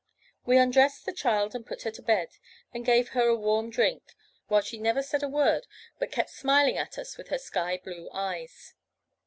We undressed the child, put her to bed, and gave her a warm drink, while she never said a word, but kept smiling at us with her sky blue eyes.